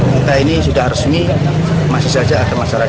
kita ini sudah resmi masih saja ada masyarakat